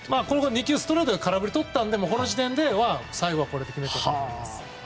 ２球ストレートで空振りをとってこの時点では最後はこれでと決めてたと思います。